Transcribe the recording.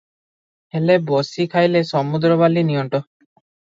ହେଲେ ବସି ଖାଇଲେ ସମୁଦ୍ର ବାଲି ନିଅଣ୍ଟ ।